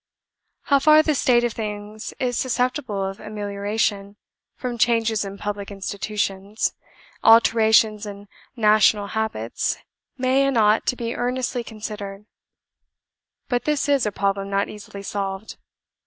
"How far this state of things is susceptible of amelioration from changes in public institutions, alterations in national habits, may and ought to be earnestly considered: but this is a problem not easily solved.